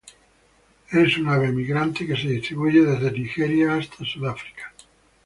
Es un ave emigrante que se distribuye desde Nigeria hasta Sudáfrica.